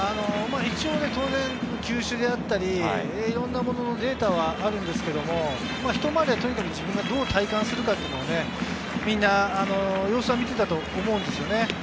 一応、球種であったり、いろんなもののデータはあるんですけど、ひと回りはどう体感するかというのを様子は見ていたと思うんですよね。